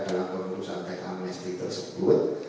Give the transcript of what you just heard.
dalam pengurusan teknamnesti tersebut